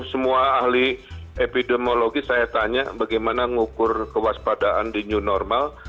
semua ahli epidemiologi saya tanya bagaimana ngukur kewaspadaan di new normal